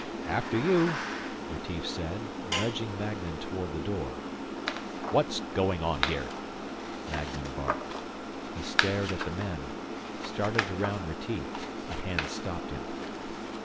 "After you," Retief said, nudging Magnan toward the door. "What's going on here?" Magnan barked. He stared at the men, started around Retief. A hand stopped him.